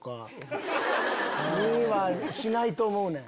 しないと思うねん。